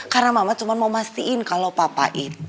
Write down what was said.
karena mama cuma mau mastiin kalau papa itu ketemu sama papinya reva